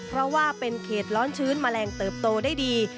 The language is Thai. เพราะว่าเป็นเขตร้อนชื้นแมลงเติบโตได้ดี